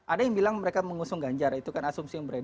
ada yang bilang mereka mengusung ganjar itu kan asumsi yang beredar